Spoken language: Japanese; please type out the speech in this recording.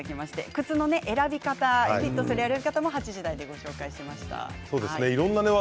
靴の選び方フィットする選び方を８時台でご紹介しました。